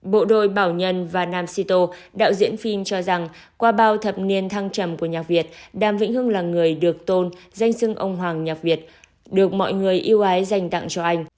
bộ đội bảo nhân và nam sito đạo diễn phim cho rằng qua bao thập niên thăng trầm của nhạc việt đàm vĩnh hưng là người được tôn danh sưng ông hoàng nhạc việt được mọi người yêu ái dành tặng cho anh